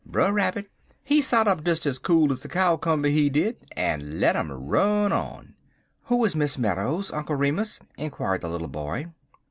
Brer Rabbit, he sot up des ez cool ez a cowcumber, he did, en let em run on. "Who was Miss Meadows, Uncle Remus?" inquired the little boy.